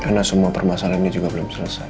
karena semua permasalah ini belum selesai